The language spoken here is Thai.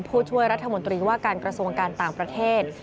ผู้ช่วยรัฐมนตรีว่าการกระทรวงการต่างประเทศ